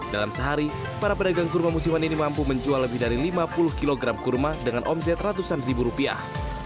dalam sehari para pedagang kurma musiman ini mampu menjual lebih dari lima puluh kg kurma dengan omset ratusan ribu rupiah